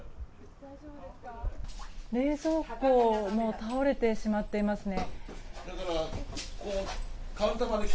冷蔵庫も倒れてしまっていますね。